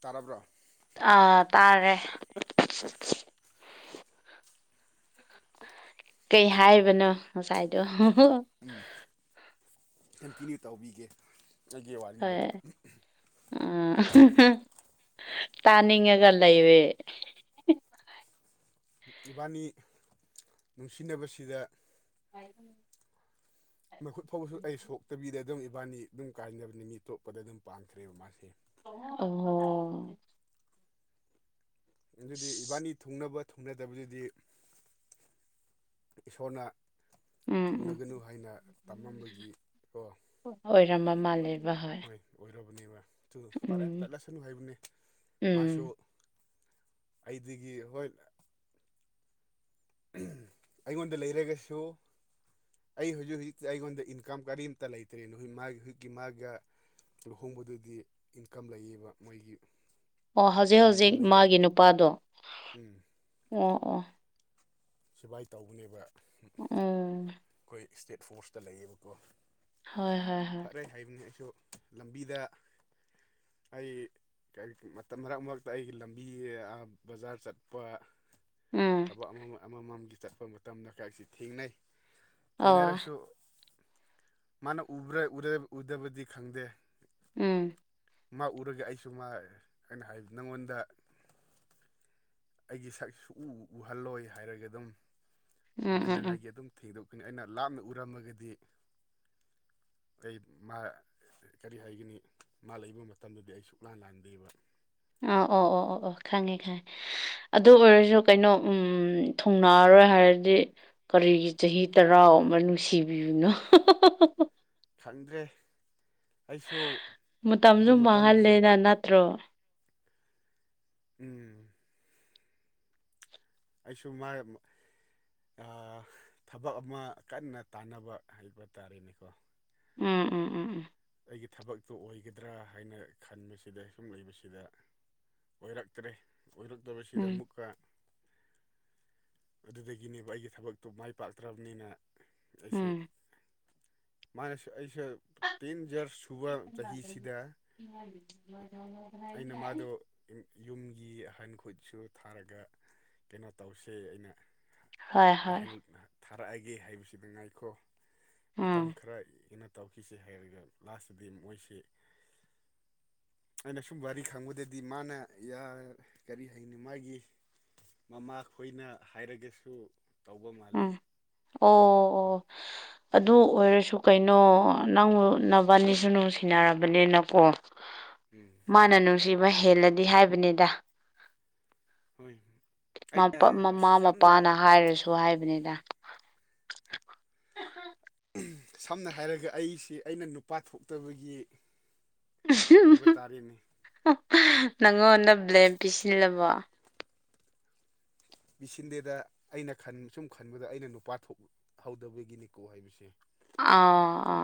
ꯇꯥꯔꯕ꯭ꯔꯣ ꯑ ꯇꯥꯔꯦ ꯀꯩ ꯍꯥꯏꯕꯅꯣ ꯉꯁꯥꯏꯗꯣ ꯎꯝ ꯀꯟꯇꯤꯅ꯭ꯌꯨ ꯇꯧꯕꯤꯒꯦ ꯑꯩꯒꯤ ꯋꯥꯔꯤꯗꯣ ꯍꯣꯏ ꯎꯝ ꯇꯥꯅꯤꯡꯉꯒ ꯂꯩꯔꯦ ꯅꯕꯥꯅꯤ ꯅꯨꯡꯁꯤꯅꯕꯁꯤꯗ ꯍꯥꯏ ꯃꯈꯨꯠ ꯐꯥꯎꯕꯁꯨ ꯑꯩ ꯁꯣꯛꯇꯕꯤꯗ ꯑꯗꯨꯝ ꯏꯕꯥꯅꯤ ꯑꯗꯨꯝ ꯀꯥꯏꯅꯕꯅꯤ ꯃꯤꯇꯣꯞꯄꯗ ꯑꯗꯨꯝ ꯄꯥꯟꯈ꯭ꯔꯦꯕ ꯃꯥꯁꯦ ꯑꯣ ꯍ ꯑꯗꯨꯗꯤ ꯏꯕꯥꯅꯤ ꯊꯨꯡꯅꯕ ꯊꯨꯡꯅꯗꯕꯗꯨꯗꯤ ꯏꯁꯣꯔꯅ ꯎꯝ ꯎꯝ ꯊꯣꯡꯅꯒꯅꯨ ꯍꯥꯏꯅ ꯇꯝꯃꯝꯕꯒꯤ ꯀꯣ ꯑꯣꯏꯔꯝꯕ ꯃꯥꯜꯂꯦꯕ ꯍꯣꯏ ꯑꯣꯏꯔꯕꯅꯦꯕ ꯄꯥꯔꯦ ꯎꯝ ꯆꯠꯂꯁꯅꯨ ꯍꯥꯏꯕꯅꯦ ꯃꯥꯁꯨ ꯎꯝ ꯑꯩꯗꯒꯤ ꯍꯣꯏ ꯑꯩꯉꯣꯟꯗ ꯂꯩꯔꯒꯁꯨ ꯑꯩ ꯍꯧꯖꯤꯛ ꯍꯧꯖꯤꯛꯇꯤ ꯑꯩꯉꯣꯟꯗ ꯏꯟꯀꯝ ꯀꯔꯤꯝꯇ ꯂꯩꯇ꯭ꯔꯦꯅ ꯍꯖꯤꯛ ꯃꯥꯒꯤ ꯍꯖꯤꯛꯀꯤ ꯃꯥꯒ ꯂꯨꯍꯣꯡꯕꯗꯨꯗꯤ ꯏꯟꯀꯝ ꯂꯩꯌꯦꯕ ꯃꯣꯏꯒꯤ ꯑꯣ ꯍꯧꯖꯤꯛ ꯏꯟꯀꯝ ꯍꯧꯖꯤꯛ ꯂꯩꯕ ꯃꯥꯒꯤ ꯅꯨꯄꯥꯗꯣ ꯎꯝ ꯑꯣ ꯑꯣ ꯁꯨꯃꯥꯏ ꯇꯧꯕꯅꯦꯕ ꯎꯝ ꯑꯩꯈꯣꯏ ꯏꯁꯇꯦꯠ ꯐꯣꯔꯁꯇ ꯂꯩꯌꯦꯕꯀꯣ ꯍꯣꯏ ꯍꯣꯏ ꯍꯣꯏ ꯐꯔꯦ ꯍꯥꯏꯕꯅꯤ ꯑꯩꯁꯨ ꯂꯝꯕꯤꯗ ꯑꯩ ꯃꯇꯝ ꯃꯔꯛ ꯃꯔꯛꯇ ꯑꯩꯒꯤ ꯂꯝꯕꯤ ꯕꯖꯥꯔ ꯆꯠꯄ ꯎꯝ ꯊꯕꯛ ꯑꯃ ꯑꯃꯃꯝꯒꯤ ꯆꯠꯄ ꯃꯇꯝꯗ [unintelligible] ꯊꯦꯡꯅꯩ ꯑꯣ ꯊꯦꯡꯅꯔꯁꯨ ꯃꯥꯅ ꯎꯗꯕꯗꯤ ꯈꯪꯗꯦ ꯎꯝ ꯃꯥ ꯎꯔꯒ ꯑꯩꯁꯨ ꯃꯥ ꯑꯩꯅ ꯍꯥꯏꯕ ꯅꯪꯉꯣꯟꯗ ꯑꯩꯒꯤ ꯁꯛꯁꯨ ꯎꯍꯜꯂꯣꯏ ꯍꯥꯏꯔꯒ ꯑꯗꯨꯝ ꯎꯝ ꯎꯝ ꯎꯝ ꯎꯗꯅꯉꯥꯏꯒꯤ ꯑꯗꯨꯝ ꯊꯦꯡꯗꯣꯛꯀꯅꯤ ꯑꯩꯅ ꯂꯥꯞꯅ ꯎꯔꯝꯃꯒꯗꯤ [unintelligible] ꯀꯔꯤ ꯍꯥꯏꯒꯅꯤ ꯃꯥ ꯂꯩꯕ ꯃꯇꯝꯗꯗꯤ ꯑꯩ ꯁꯨꯛꯂꯥꯟ ꯂꯥꯟꯗꯦꯕ ꯑ ꯑꯣ ꯑꯣ ꯑꯣ ꯑꯣ ꯈꯪꯉꯦ ꯈꯪꯉꯦ ꯑꯗꯨ ꯑꯣꯏꯔꯁꯨ ꯀꯩꯅꯣ ꯎꯝ ꯊꯨꯡꯅꯥꯑꯔꯣꯏ ꯍꯥꯏꯔꯗꯤ ꯀꯔꯤꯒꯤ ꯆꯍꯤ ꯇꯔꯥ ꯑꯃ ꯅꯨꯡꯁꯤꯕꯤꯕꯅꯣ ꯈꯪꯗ꯭ꯔꯦ ꯑꯩꯁꯨ ꯃꯇꯝꯁꯨ ꯑꯗꯨ ꯃꯇꯝꯁꯤ ꯃꯥꯡꯍꯜꯂꯦꯅ ꯅꯠꯇ꯭ꯔꯣ ꯎꯝ ꯑꯩꯁꯨ ꯃꯥꯥꯏ ꯊꯕꯛ ꯑꯃ ꯀꯟꯅ ꯇꯥꯟꯅꯕ ꯍꯥꯏꯕ ꯇꯥꯔꯦꯅꯦꯀꯣ ꯎꯝ ꯎꯝ ꯎꯝ ꯎꯝ ꯑꯩꯒꯤ ꯊꯕꯛꯇꯨ ꯑꯣꯏꯒꯗ꯭ꯔꯥ ꯍꯥꯏꯅ ꯈꯟꯕꯁꯤꯗ [unintelligible] ꯂꯩꯕꯁꯤꯗ ꯑꯣꯏꯔꯛꯇ꯭ꯔꯦ ꯑꯣꯏꯔꯛꯇꯕꯁꯤꯗ ꯎꯝ ꯑꯃꯨꯛꯀ ꯑꯗꯨꯗꯒꯤꯅꯦꯕ ꯑꯩꯒꯤ ꯊꯕꯛꯇꯣ ꯃꯥꯏ ꯄꯥꯛꯇ꯭ꯔꯕꯅꯤꯅ ꯎꯝ ꯑꯩꯁꯨ ꯎꯝ ꯃꯥꯅꯁꯨ ꯑꯩꯁꯨ ꯄꯦꯟ ꯖꯔꯁ ꯁꯨꯕ ꯆꯍꯤꯁꯤꯗ ꯑꯩꯅ ꯃꯥꯗꯣ ꯌꯨꯝꯒꯤ ꯑꯍꯟ ꯈꯨꯠꯁꯨ ꯊꯥꯔꯒ ꯀꯩꯅꯣ ꯇꯧꯁꯦ ꯑꯩꯅ ꯍꯣꯏ ꯍꯣꯏ [unintelligible] ꯊꯥꯔꯛꯑꯒꯦ ꯍꯥꯏꯕꯁꯤꯗ ꯉꯥꯏꯈꯣ ꯎꯝ ꯃꯇꯝ ꯈꯔ ꯍꯦꯟꯅ ꯇꯧꯈꯤꯁꯦ ꯍꯥꯏꯔꯒ ꯂꯥꯁꯇꯗꯤ ꯃꯣꯏꯁꯤ ꯑꯩꯅ ꯁꯨꯝ ꯋꯥꯔꯤ ꯈꯪꯕꯗꯗꯤ ꯃꯥꯅ ꯀꯔꯤ ꯍꯩꯅꯤ ꯃꯥꯒꯤ ꯃꯃꯥ ꯈꯣꯏꯅ ꯍꯥꯏꯔꯒꯁꯨ ꯇꯧꯕ ꯃꯥꯜꯂꯦ ꯎꯝ ꯑꯣ ꯑꯣ ꯑꯗꯨ ꯑꯣꯏꯔꯁꯨ ꯀꯩꯅꯣ ꯅꯪꯅꯕ ꯑꯅꯤꯁꯨ ꯅꯨꯡꯁꯤꯅꯔꯕꯅꯤꯅꯀꯣ ꯎꯝ ꯃꯥꯅ ꯅꯨꯡꯁꯤꯕ ꯍꯦꯜꯂꯗꯤ ꯍꯥꯏꯕꯅꯤꯗ ꯍꯣꯏ [unintelligible] ꯑꯩꯅ ꯃꯃꯥ ꯁꯝꯅ ꯃꯄꯥꯅ ꯍꯥꯏꯔꯁꯨ ꯍꯥꯏꯕꯅꯤꯗ ꯁꯝꯅ ꯍꯥꯏꯔꯒ ꯑꯩꯁꯤ ꯑꯩꯅ ꯅꯨꯄꯥ ꯊꯣꯛꯇꯕꯒꯤ ꯍꯥꯏꯕ [unintelligible] ꯇꯥꯔꯦꯅꯦ ꯅꯪꯉꯣꯟꯗ ꯕ꯭ꯂꯦꯟ ꯄꯤꯁꯤꯜꯂꯕꯣ ꯄꯁꯤꯟꯗꯦꯗ ꯑꯩꯅ [unintelligible] ꯁꯨꯝ ꯈꯟꯕꯗ ꯑꯩꯅ ꯅꯨꯄꯥ ꯊꯣꯛꯍꯧꯗꯕꯒꯤꯅꯤꯀꯣ ꯍꯥꯏꯕꯁꯦ ꯑ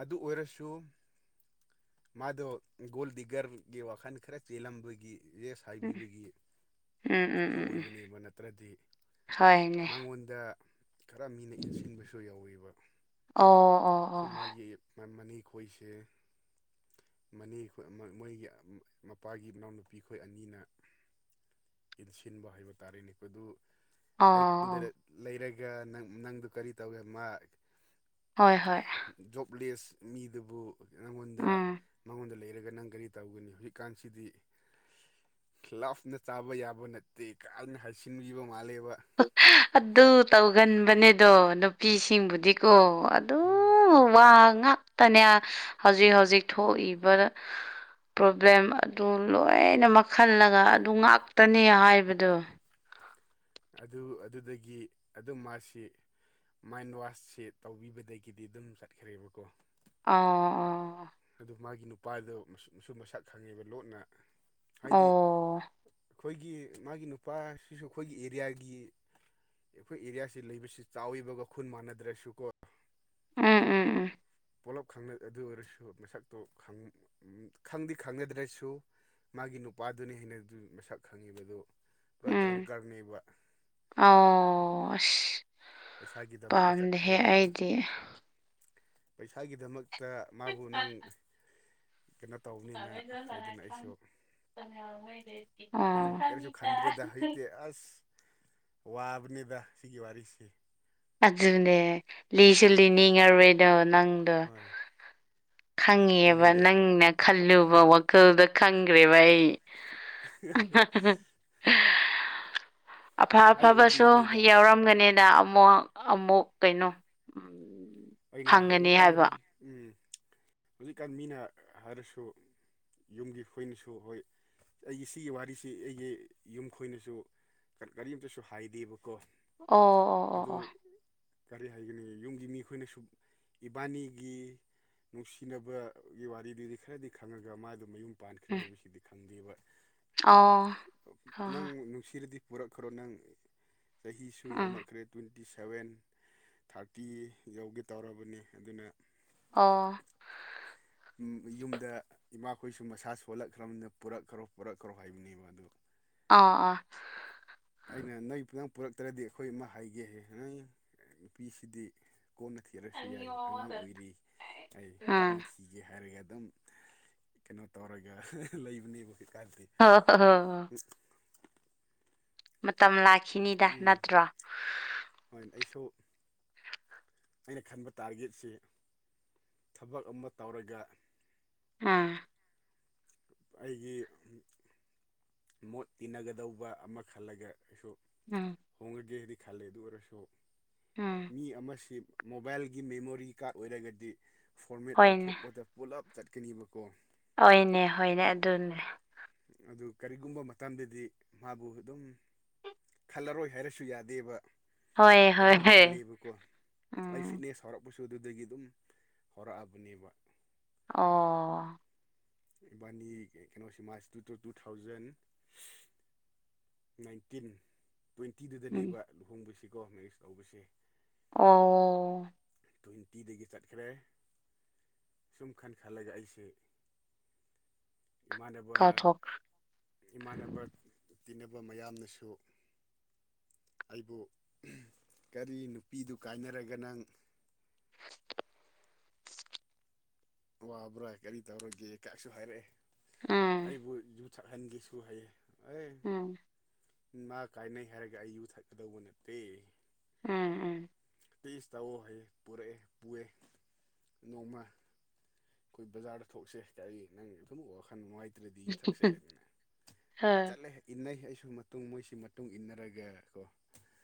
ꯑꯗꯨ ꯑꯣꯏꯔꯁꯨ ꯃꯥꯗꯣ ꯒꯣꯜ ꯗꯤꯒꯔꯒꯤ ꯋꯥꯈꯜ ꯈꯔ ꯆꯦꯜꯂꯝꯕꯒꯤ ꯁꯥꯏꯕꯤꯕꯒꯤ ꯎꯝ ꯎꯝ ꯎꯝ ꯁꯨ ꯎꯝ ꯎꯝ ꯑꯣꯏꯕꯅꯦꯕ ꯅꯠꯇ꯭ꯔꯗꯤ ꯍꯣꯏꯅꯦ ꯃꯉꯣꯟꯗ ꯈꯔ ꯃꯤꯅ ꯏꯟꯁꯤꯟꯕꯁꯨ ꯌꯥꯎꯌꯦꯕ ꯑꯣ ꯑꯣ ꯑꯣ ꯁꯨꯝ ꯃꯥꯒꯤ ꯃꯟ ꯃꯅꯤꯈꯣꯏꯁꯦ ꯃꯅꯤ ꯑꯩꯈꯣꯏ ꯃꯣꯏꯒꯤ ꯃꯄꯥꯒꯤ ꯏꯅꯥꯎꯅꯨꯄꯤ ꯑꯩꯈꯣꯏ ꯑꯅꯤꯅ ꯏꯟꯁꯤꯟꯕ ꯍꯥꯏꯕ ꯇꯥꯔꯦꯅꯦꯈꯣꯏꯗꯨ ꯑꯣ ꯑꯩꯉꯣꯟꯗ ꯂꯩꯔꯒ [unintelligible] ꯅꯪꯗꯨ ꯀꯔꯤ ꯇꯧꯒꯦ ꯃꯥ ꯍꯣꯏ ꯍꯣꯏ ꯖꯣꯕꯂꯦꯁ ꯃꯤꯗꯨꯕꯨ ꯅꯪꯉꯣꯟꯗ ꯎꯝ ꯃꯉꯣꯟꯗ ꯂꯩꯔꯒ ꯅꯪ ꯀꯔꯤ ꯇꯧꯒꯅꯤ ꯍꯧꯖꯤꯛꯀꯥꯟꯁꯤꯗꯤ ꯂꯞꯅ ꯆꯥꯕ ꯌꯥꯕ ꯅꯠꯇꯦ ꯀꯅ ꯍꯥꯏꯁꯤꯟꯈꯤꯕ ꯃꯥꯜꯂꯦꯕ ꯑꯗꯨ ꯇꯧꯒꯟꯕꯅꯦꯗꯣ ꯅꯨꯄꯤꯁꯤꯡꯕꯨꯗꯤꯀꯣ ꯑꯗꯨ ꯎꯝ ꯋꯥ ꯉꯇꯅꯦ ꯍꯧꯖꯤꯛ ꯍꯧꯖꯤꯛ ꯊꯣꯛꯏꯕ ꯄ꯭ꯔꯣꯕ꯭ꯂꯦꯝ ꯑꯗꯨ ꯂꯣꯏꯅ ꯃꯈꯜꯂꯒ ꯑꯗꯨ ꯉꯥꯛꯇꯅꯤ ꯍꯥꯏꯕꯗꯣ ꯑꯗꯨ ꯑꯗꯨꯗꯒꯤ ꯑꯗꯨꯝ ꯃꯥꯁꯤ ꯃꯥꯏꯟꯋꯥꯁꯁꯤ ꯇꯧꯕꯤꯕꯗꯒꯤꯗꯤ ꯑꯗꯨꯝ ꯆꯠꯈ꯭ꯔꯦꯕꯀꯣ ꯑ ꯑ ꯑꯗꯨ ꯃꯥꯒꯤ ꯅꯨꯄꯥꯗ ꯃꯁꯨ ꯃꯁꯛ ꯈꯪꯉꯦꯕ ꯂꯣꯠꯅ ꯑꯣ ꯍꯥꯏꯗꯤ ꯑꯣ ꯑꯩꯈꯣꯏꯒꯤ ꯃꯥꯒꯤ ꯅꯨꯄꯥꯁꯤꯁꯨ ꯑꯩꯈꯣꯏꯒꯤ ꯑꯦꯔꯤꯌꯥꯒꯤ ꯑꯩꯈꯣꯏ ꯑꯦꯔꯤꯌꯥꯁꯤ ꯂꯩꯕꯁꯤ ꯆꯥꯎꯋꯤꯕꯒ ꯈꯨꯟ ꯃꯥꯟꯅꯗ꯭ꯔꯁꯨꯀꯣ ꯎꯝ ꯎꯝ ꯎꯝ ꯄꯨꯂꯞ ꯑꯗꯨ ꯑꯣꯏꯔꯁꯨ ꯃꯁꯛꯇꯣ ꯈꯪꯗꯤ ꯈꯪꯅꯗ꯭ꯔꯁꯨ ꯃꯥꯒꯤ ꯅꯨꯄꯥꯗꯨꯅꯤ ꯍꯥꯏꯩꯅ ꯑꯗꯨ ꯃꯁꯛ ꯈꯪꯉꯤꯕꯗꯨ ꯄꯨꯔꯥ ꯎꯝ ꯗ꯭ꯔꯪꯀꯔꯅꯦꯕ ꯑꯣ ꯑꯁ ꯄꯩꯁꯥꯒꯤꯗꯃꯛꯇ ꯄꯥꯝꯗꯦꯍꯦ ꯆꯠꯄꯅꯤꯅ ꯑꯩꯗꯤ ꯄꯩꯁꯥꯒꯤꯗꯃꯛꯇ ꯃꯥꯕꯨ ꯅꯪ ꯀꯩꯅꯣ ꯇꯧꯕꯅꯤꯅ ꯍꯥꯏꯗꯅ ꯑꯩꯁꯨ ꯑꯣ ꯀꯁꯨ ꯈꯟꯗ꯭ꯔꯦꯗ ꯍꯇ ꯑꯁ ꯋꯥꯕꯅꯤꯗ ꯁꯤꯒꯤ ꯋꯥꯔꯤꯁꯦ ꯑꯗꯨꯅꯦ ꯂꯤꯁꯨ ꯂꯤꯅꯤꯡꯉꯔꯣꯏꯗꯣ ꯅꯪꯗꯣ ꯍꯣꯏ ꯈꯪꯉꯦꯕ ꯅꯪꯉꯣꯟꯗ ꯅꯪꯅ ꯈꯜꯂꯨꯕ ꯋꯥꯈꯜꯗ ꯈꯪꯈ꯭ꯔꯦꯕ ꯑꯩ [inaudible] ꯑꯐ ꯑꯩ ꯑꯐꯕꯁꯨ ꯑꯣꯏꯕꯒꯤꯅꯦꯗ ꯌꯥꯎꯔꯝꯒꯅꯤꯗ ꯑꯃꯨꯛ ꯑꯃꯨꯛ ꯀꯩꯅꯣ ꯎ ꯑꯩꯅ ꯍꯧꯖꯤꯛꯀꯥꯟ ꯍꯧꯖꯤꯛꯀꯥꯟ ꯃꯤꯅ ꯍꯥꯏꯔꯁꯨ ꯌꯨꯝꯒꯤ ꯍꯣꯏꯅꯁꯨ ꯍꯣꯏ ꯑꯩꯒꯤ ꯁꯤꯒꯤ ꯋꯥꯔꯤꯁꯤ ꯑꯩꯒꯤ ꯌꯨꯝ ꯈꯣꯏꯅꯁꯨ ꯀꯔꯤꯝꯇꯁꯨ ꯍꯥꯏꯗꯦꯕꯀꯣ ꯑꯗꯨ ꯑꯣ ꯀꯔꯤ ꯍꯥꯏꯒꯅꯤ ꯌꯨꯝꯒꯤ ꯃꯤ ꯑꯩꯈꯣꯏꯅꯁꯨ ꯏꯕꯥꯅꯤꯒꯤ ꯅꯨꯡꯁꯤꯅꯕꯒꯤ ꯋꯥꯔꯤꯗꯨꯗꯤ ꯈꯔꯗꯤ ꯈꯪꯉꯒ ꯃꯥꯗꯨ ꯃꯌꯨꯝ ꯄꯥꯟꯈ꯭ꯔꯦ ꯍꯥꯏꯕꯁꯤꯗꯤ ꯈꯪꯗꯦꯕ ꯑꯣ ꯑꯣ ꯅꯪ ꯅꯨꯡꯁꯤꯔꯗꯤ ꯄꯨꯔꯛꯈ꯭ꯔꯣ ꯅꯪ ꯆꯍꯤꯁꯨ ꯌꯥꯝꯃꯛꯈ꯭ꯔꯦ ꯇ꯭ꯋꯦꯟꯇꯤ ꯁꯚꯦꯟ ꯊꯥꯔꯇꯤ ꯌꯧꯒꯦ ꯇꯧꯔꯕꯅꯤ ꯑꯗꯨꯅ ꯑꯣ ꯌꯨꯝꯗ ꯏꯃꯥꯈꯣꯏꯁꯨ ꯃꯁꯥ ꯁꯣꯜꯂꯛꯈ꯭ꯔꯕꯅꯤꯗ ꯄꯨꯔꯛꯈ꯭ꯔꯣ ꯄꯨꯔꯛꯈ꯭ꯔꯣ ꯍꯥꯏꯕꯅꯦꯕ ꯑꯗꯨ ꯑꯥ ꯑꯥ ꯑꯩꯅ ꯅꯣꯏꯇꯪ ꯄꯨꯔꯛꯇ꯭ꯔꯗꯤ ꯑꯩꯈꯣꯏ ꯑꯃ ꯍꯥꯏꯒꯦ ꯅꯪ ꯅꯨꯄꯤꯁꯤꯗꯤ ꯀꯣꯟꯅ ꯊꯤꯔꯁꯨ ꯌꯥꯏ ꯑꯉꯥꯡ ꯑꯣꯏꯔꯤ ꯑꯩ ꯇꯞꯅꯤ ꯎꯝ ꯀꯤꯒꯦ ꯍꯥꯏꯔꯒ ꯑꯗꯨꯝ ꯀꯩꯅꯣ ꯇꯧꯔꯒ ꯍꯥ ꯍꯥ ꯂꯩꯕꯅꯦꯕ ꯍꯧꯖꯤꯛꯀꯥꯟꯗꯤ꯫ [unintelligible] ꯃꯇꯝ ꯂꯥꯛꯈꯤꯅꯤꯗ ꯅꯠꯇ꯭ꯔꯣ꯫ ꯍꯣꯏꯅ ꯑꯩꯁꯨ ꯑꯩꯅ ꯈꯟꯕ ꯇꯥꯔꯒꯦꯠꯁꯤ ꯊꯕꯛ ꯑꯃ ꯇꯧꯔꯒ ꯎꯝ ꯑꯩꯒꯤ ꯃꯣꯠ ꯇꯤꯟꯅꯒꯗꯧꯕ ꯑꯃ ꯈꯜꯂꯒꯁꯨ ꯎꯝ ꯍꯣꯡꯉꯒꯦ ꯍꯥꯏꯗꯤ ꯈꯜꯂꯦ ꯑꯗꯨ ꯑꯣꯏꯔꯁꯨ ꯎꯝ ꯃꯤ ꯑꯃꯁꯤ ꯃꯣꯕꯥꯏꯜꯒꯤ ꯃꯦꯃꯣꯔꯤ ꯀꯥꯔꯗ ꯑꯣꯏꯔꯒꯗꯤ ꯐꯣꯔꯃꯦꯠ ꯍꯣꯏꯅꯦ ꯇꯧꯊꯣꯛꯄꯗ ꯄꯨꯜꯂꯞ ꯆꯠꯀꯅꯤꯕꯀꯣ ꯑꯣꯏꯅꯦ ꯍꯣꯏꯅꯦ ꯑꯗꯨꯅꯦ꯫ ꯑꯗꯨ ꯀꯔꯤꯒꯨꯝꯕ ꯃꯇꯝꯗꯗꯤ ꯃꯥꯕꯨ ꯑꯗꯨꯝ ꯈꯜꯂꯔꯣꯏ ꯍꯥꯏꯔꯁꯨ ꯌꯥꯗꯦꯕ꯫ ꯍꯣꯏꯑ ꯍꯣꯏ ꯑꯗꯨꯝ ꯍ꯫ [unintelligible] ꯑꯩ ꯐꯤꯠꯅꯦꯁ ꯍꯧꯔꯛꯄꯁꯨ ꯑꯗꯨꯗꯒꯤ ꯑꯗꯨꯝ ꯍꯧꯔꯛꯑꯕꯅꯦꯕ꯫ ꯑꯣ...... ꯫ ꯏꯕꯥꯅꯤ ꯀꯩꯅꯣꯁꯤ March two two two thousand. Nineteen ꯎꯝ ꯇ꯭ꯋꯦꯟꯇꯤꯗꯨꯗꯅꯦꯕ ꯂꯨꯍꯣꯡꯕꯁꯤꯀꯣ ꯃꯦꯔꯤꯁ ꯇꯧꯕꯁꯦ꯫ ꯑꯣ.......... ꯫ ꯇ꯭ꯋꯦꯟꯇꯤꯗꯒꯤ ꯆꯠꯈ꯭ꯔꯦ ꯁꯨꯝ ꯈꯟ ꯈꯜꯂꯒ ꯑꯩꯁꯦ, ꯏꯃꯥꯟꯅꯕ ꯀꯥꯎꯊꯣꯛꯈ꯭ꯔꯦ ꯏꯃꯥꯟꯅꯕ ꯇꯤꯟꯅꯕ ꯃꯌꯥꯝꯅꯁꯨ꯫ ꯑꯩꯕꯨ ꯀꯔꯤ ꯅꯨꯄꯤꯗꯨ ꯀꯥꯏꯅꯔꯒ ꯅꯪ ꯋꯥꯕ꯭ꯔꯥ ꯀꯔꯤ ꯇꯧꯔꯒꯦ ꯀꯥꯏꯁꯨ ꯍꯥꯏꯔꯛꯑꯦ ꯎꯝ ꯑꯩꯕꯨ ꯌꯨ ꯁꯛꯍꯟꯒꯦꯁꯨ ꯍꯥꯏꯌꯦ ꯑꯦ ꯎꯝ ꯃꯥ ꯀꯥꯏꯅꯩ ꯍꯥꯏꯔꯒ ꯑꯩ ꯌꯨꯊꯛꯀꯗꯧꯕ ꯅꯠꯇꯦ꯫ ꯎꯝ ꯎꯝ! ꯇꯤꯁ ꯇꯧꯑꯣ ꯍꯌꯦ ꯄꯨꯔꯛꯑꯦ ꯄꯨꯑꯦ ꯅꯣꯡꯃ꫰ ꯑꯩꯈꯣꯏ ꯕꯖꯥꯔꯗ ꯊꯣꯛꯁꯦ ꯍꯥꯏꯇꯥꯔꯦ ꯅꯪ ꯑꯗꯨꯝ ꯋꯥꯈꯜ ꯅꯨꯡꯉꯥꯏꯇ꯭ꯔꯗꯤ ꯌꯨꯊꯛꯁꯦ ꯑꯗꯨꯅ꯫ ꯍꯣꯏ ꯆꯠꯂꯦ ꯏꯟꯅꯩ ꯑꯩꯁꯨ ꯃꯇꯨꯡ ꯃꯣꯏꯁꯤ ꯃꯇꯨꯡ ꯏꯟꯅꯔꯒ ꯀꯣ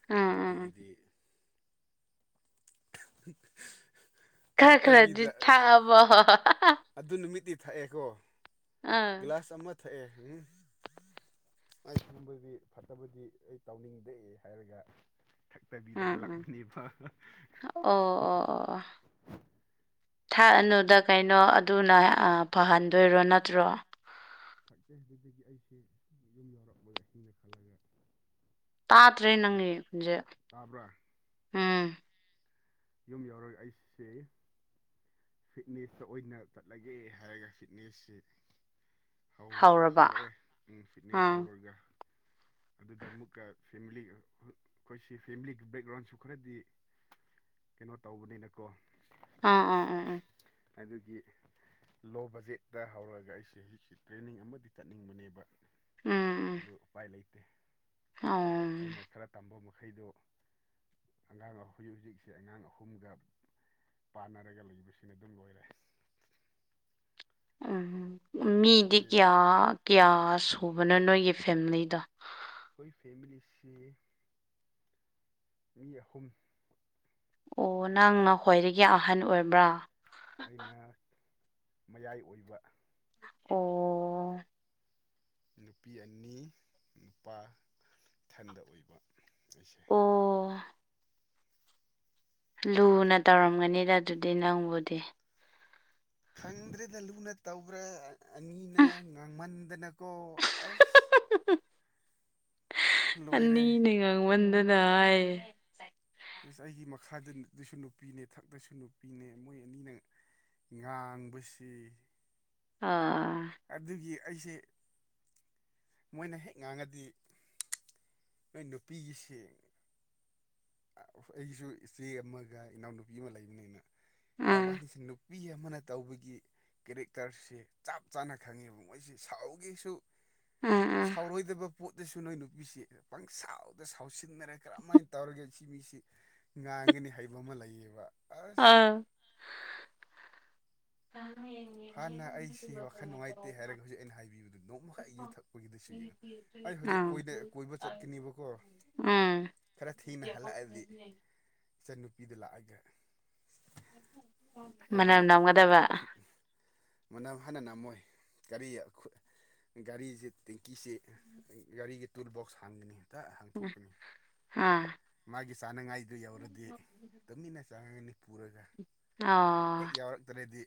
ꯎꯝ ꯎꯝ ꯎꯝ ꯑꯗꯨꯗꯒꯤꯗꯤ, ꯐ! [unintelligible] ꯈ ꯈꯔꯗꯤ ꯊꯥꯛꯑꯕꯣ ꯍꯣꯍꯥꯍꯥꯍꯥꯍꯥ! ꯑꯗꯨ ꯅꯨꯃꯤꯠꯇꯤ ꯊꯛꯑꯦꯀꯣ ꯑꯥ ꯒ꯭ꯂꯥꯁ ꯑꯃ ꯊꯛꯑꯦ ꯎꯝ꯫ ꯑꯩ ꯁꯨꯝꯕꯗꯤ ꯐꯠꯇꯕꯗꯤ ꯑꯩ ꯇꯧꯅꯤꯡꯗꯦ ꯍꯥꯏꯔꯒ꯫ ꯊꯛꯇꯕꯤꯗ ꯎꯝ ꯎꯝ ꯍꯜꯂꯛꯄꯅꯦꯕꯍꯥ ꯑꯣ ꯑꯣ ꯑꯣ꯫ ꯊꯥꯑꯅꯨꯗ ꯀꯩꯅꯣ ꯑꯗꯨꯅ ꯐꯍꯟꯗꯣꯏꯔꯣ ꯅꯠꯇ꯭ꯔꯣ? ꯁꯛꯀꯦ ꯍꯥꯏꯕꯗꯒꯤ ꯑꯩꯁꯦ ꯌꯨꯝ ꯌꯧꯔꯛꯄꯒ ꯍꯤꯡꯅ ꯈꯜꯂꯒ ꯇꯥꯇ꯭ꯔꯦ ꯅꯪꯒꯤꯁꯦ, ꯇꯥꯕ꯭ꯔꯥ ꯎꯝ ꯌꯨꯝ ꯌꯧꯔꯒ ꯑꯩꯁꯦ ꯐꯤꯠꯅꯦꯁꯇ ꯑꯣꯏꯅ ꯆꯠꯂꯒꯦ ꯍꯥꯏꯔꯒ ꯐꯤꯠꯅꯦꯁꯁꯦ꫰ ꯍꯧꯔꯕ ꯍꯧꯔꯛꯑꯦ ꯐꯤꯠꯅꯦꯁ ꯑꯥ ꯍꯧꯔꯒ ꯑꯗꯨꯗ ꯑꯃꯨꯛꯀ ꯐꯦꯃꯤꯂꯤ ꯑꯩꯈꯣꯏꯁꯤ ꯐꯦꯃꯤꯂꯤꯒꯤ ꯕꯦꯛꯒ꯭ꯔꯥꯎꯟꯁꯨ ꯈꯔꯗꯤ ꯀꯩꯅꯣ ꯇꯧꯕꯅꯤꯅꯀꯣ ꯑꯥ ꯑꯥ ꯑꯥ ꯑꯗꯨꯒꯤ ꯂꯣ ꯕꯖꯦꯠꯇ ꯍꯧꯔꯒ ꯑꯩꯁꯦ ꯇ꯭ꯔꯦꯅꯤꯡ ꯑꯃꯗꯤ ꯆꯠꯅꯤꯡꯕꯅꯦꯕ꯫ ꯎꯝ ꯑꯗꯨ ꯎꯄꯥꯏ ꯂꯩꯇꯦ꯫ ꯑꯥꯎ ꯑꯩꯅ ꯈꯔ ꯇꯝꯕ ꯃꯈꯩꯗꯣ ꯑꯉꯥꯡ ꯍꯧꯖꯤꯛ ꯍꯧꯖꯤꯛꯁꯦ ꯑꯉꯥꯡ ꯑꯍꯨꯝꯒ ꯄꯥꯟꯅꯔꯒ ꯂꯩꯕꯁꯤꯅ ꯑꯗꯨꯝ ꯂꯣꯏꯔꯦ ꯎꯝ ꯃꯤꯗꯤ ꯑꯩꯈꯣꯏꯒꯤ ꯀꯌꯥ ꯀꯌꯥ ꯁꯨꯕꯅꯣ ꯑꯩꯈꯣꯏ ꯅꯣꯏꯒꯤ ꯐꯦꯃꯤꯂꯤꯗꯣ ꯈꯣꯏ ꯐꯦꯃꯤꯂꯤꯁꯤ ꯃꯤ ꯑꯍꯨꯝ ꯑꯣ ꯅꯪꯅ ꯈ꯭ꯋꯥꯏꯗꯒꯤ ꯑꯍꯟ ꯑꯣꯏꯕ꯭ꯔꯥ? ꯑꯩꯅ ꯃꯌꯥꯏ ꯑꯣꯏꯕ꯫ ꯑꯣ ꯅꯨꯄꯤ ꯑꯅꯤ ꯅꯨꯄꯥ ꯊꯟꯗ ꯑꯣꯏꯕ ꯑꯩꯁꯦ꯫ ꯑꯣ ꯂꯨꯅ ꯇꯧꯔꯝꯒꯅꯤꯗ ꯑꯗꯨꯗꯤ ꯅꯪꯕꯨꯗꯤ꯫ ꯈꯪꯗ꯭ꯔꯦꯗ ꯂꯨꯅ ꯇꯧꯕ꯭ꯔꯥ ꯑꯅꯤꯅ ꯉꯥꯡꯃꯟꯗꯅꯀꯣ ꯑꯁ! ꯂꯣꯏꯔꯦ ꯑꯅꯤꯅ ꯉꯥꯡꯃꯟꯗꯅ ꯍꯥꯏꯌꯦ ꯑꯁ ꯑꯩꯒꯤ ꯃꯈꯥꯗ ꯗꯤ ꯉꯥꯡꯕꯁꯤ ꯑꯥ ꯑꯗꯨꯒꯤ ꯑꯩꯁꯦ ꯃꯣ ꯑꯩꯒꯤꯁꯨ ꯏꯆꯦ ꯑꯃꯒ ꯏꯅꯥꯎꯅꯨꯄꯤ ꯑꯃ ꯂꯩꯕꯅꯤ ꯑꯩꯅ ꯎꯝ ꯃꯕꯥꯅꯤꯁꯤ ꯅꯨ ꯃꯤ ꯑꯃꯅ ꯇꯧꯕꯒꯤ ꯀꯦꯔꯦꯛꯇꯔꯁꯦ ꯆꯞ ꯆꯥꯅ ꯈꯪꯉꯦꯕ ꯃꯣꯏꯁꯤ ꯁꯥꯎꯒꯦꯁꯨ ꯎꯝ ꯎꯝ ꯁꯥꯎꯔꯣꯏꯗꯕ ꯄꯣꯠꯇꯁꯨ ꯅꯣꯏ ꯅꯨꯄꯤꯁꯦ ꯄꯪꯁꯥꯎꯗ ꯁꯥꯎꯁꯤꯟꯅꯔ ꯀꯔꯝ ꯁꯤ ꯃꯤꯁꯤ ꯑꯥ ꯎꯝ [inaudible] ꯍꯥ ꯑꯩ ꯍꯧꯖꯤꯛ ꯀꯣꯏ ꯎꯝ ꯈꯔ ꯊꯤꯅ ꯍꯜꯂꯛꯑꯗꯤ ꯏꯆꯟꯅꯨ ꯃꯅꯝ ꯅꯝꯒꯗꯕ ꯃꯅꯝ ꯍꯟꯅꯥ ꯅꯝ ꯒꯥ ꯍꯥꯥ ꯃꯥꯒꯤ ꯆꯥꯅꯉꯥꯏꯗꯨ ꯌꯧꯔꯗꯤ ꯇꯨꯃꯤꯟꯅ ꯆꯥꯉꯒꯅꯤ ꯄꯨꯔꯒ ꯑ ꯍꯦꯛ ꯌꯥꯎꯔꯛꯇ꯭ꯔꯗꯤ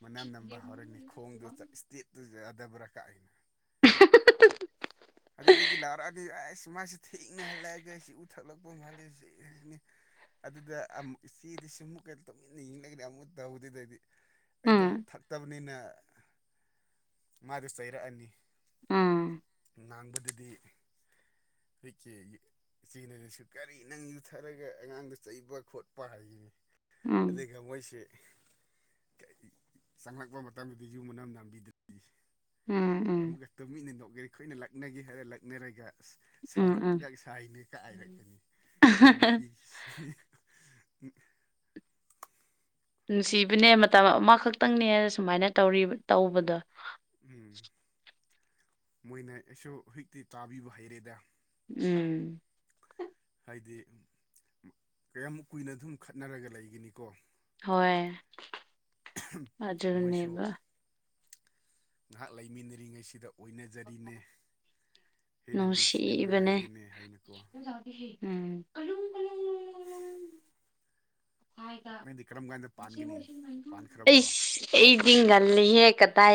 ꯃꯅꯝ ꯅꯝꯕ ꯍꯧꯔꯅꯤ ꯈꯣꯡꯗꯨ ꯆꯛ ꯁꯇꯤꯠ ꯗꯨ ꯌꯥꯗꯕꯔꯥ ꯀꯥꯏꯅꯥ ꯑꯗꯨꯗꯒꯤ ꯂꯥꯎꯔꯛ ꯑꯒ ꯑꯁ ꯃꯁꯤ ꯊꯦꯡꯅꯍꯜꯂꯛꯑꯒ ꯑꯩꯁꯤ ꯎ ꯊꯛꯂꯛꯄ ꯃꯥꯜꯂꯤꯁꯦꯅꯤ ꯑꯗꯨꯗ ꯑꯃ ꯏꯆꯦꯗꯨꯁꯨ ꯃꯨꯛꯑꯥ ꯇꯨꯃꯤꯟꯅꯥ ꯌꯦꯡ ꯅꯡꯒꯤꯗꯤ ꯑꯃꯨꯠ ꯇꯧꯗꯦꯗꯥꯗꯤ ꯑꯩꯗꯣ ꯊꯛꯇꯕꯅꯤꯅ ꯃꯥꯗꯨ ꯆꯩꯔꯛꯑꯅꯤ ꯉꯥꯡꯕꯗꯗꯤ ꯍꯤꯛꯀꯤ ꯏꯆꯦꯅꯁꯨ ꯀꯔꯤ ꯅꯪ ꯌꯨꯊꯛꯑꯔꯣꯏꯒ ꯑꯩꯉꯥꯡꯗ ꯆꯩꯕ ꯈꯣꯠꯄ ꯍꯥꯏꯒꯅꯤ ꯑꯗꯩꯩ ꯑꯩꯁꯦ ꯆꯪꯂꯛꯄ ꯃꯇꯝꯗꯗꯤ ꯌꯨꯝ ꯃꯅꯝ ꯅꯝꯕꯤꯗꯔ꯭ꯗꯤ ꯎꯝ ꯎꯝ ꯑꯃꯨꯛꯀ ꯇꯨꯃꯤꯟꯅ ꯅꯣꯛꯏ ꯈꯣꯏꯅ ꯂꯛꯅꯒꯦ ꯍꯥꯏꯔ ꯂꯛꯅꯩ ꯑꯁ ꯎꯝ ꯎꯝ ꯁꯥꯎꯔꯛꯄꯒ ꯁꯥꯏꯅꯦ ꯀꯥꯏꯅꯥ ꯈꯪꯉꯦ ꯃꯥꯏ ꯅꯨꯄꯤ ꯁꯤ ꯅꯨꯡꯁꯤꯕꯅꯦ ꯃꯇꯝ ꯑꯃꯈꯛꯇꯪꯅꯦ ꯁꯨꯃꯥꯏꯅ ꯇꯧꯔꯤꯕ ꯇꯧꯕꯗꯣ ꯎꯝ ꯃꯣꯏꯅ ꯑꯩꯁꯨ ꯍꯨꯏꯛꯇꯤ ꯇꯥꯕꯤꯕ ꯍꯩꯔꯦꯗ ꯎꯝ ꯍꯥꯏꯗꯤ ꯀꯌꯥꯝꯃꯨꯛ ꯀꯨꯏꯅ ꯑꯗꯨꯝ ꯈꯠꯅꯔꯒ ꯂꯩꯒꯤꯅꯤꯀꯣ ꯍꯣꯏ ꯃꯣꯏꯁꯨ ꯑꯗꯨꯅꯦꯕ ꯉꯥꯏꯍꯥꯛ ꯂꯩꯃꯤꯟꯅꯔꯤꯉꯩꯁꯤꯗ ꯑꯣꯏꯅꯖꯔꯤꯅꯦ ꯍꯦꯟꯅ ꯅꯨꯡꯁꯤꯕꯅꯦ ꯅꯨꯡꯁꯤꯅꯅꯉꯥꯏꯒꯤꯅꯦ ꯍꯥꯏꯅꯀꯣ ꯎꯝ [unintelligible] [unintelligible] ꯅꯪꯗꯤ ꯀꯔꯝ ꯀꯥꯟꯗ ꯄꯥꯟꯒꯅꯤ ꯄꯥꯟꯈ꯭ꯔꯕ꯭ꯔꯣ ꯑꯩꯗꯤ ꯉꯜꯜꯂꯤꯍꯦ ꯀꯗꯥꯏ